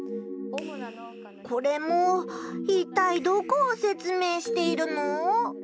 これも一体どこをせつめいしているの？